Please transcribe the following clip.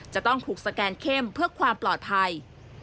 จะต้องถูกสแกนเข้มเพื่อความปลอดภัย